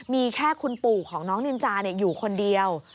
มีแค่คุณปู่ของน้องนินจาอยู่คนเดียว